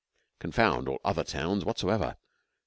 Confound all other towns whatsoever.